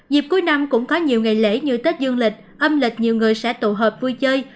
dịp cuối năm cũng có nhiều ngày lễ như tết dương lịch âm lịch nhiều người sẽ tụ hợp vui chơi